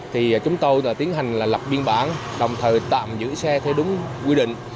thì chúng tôi đã tiến hành là lập biên bản đồng thời tạm giữ xe theo đúng quy định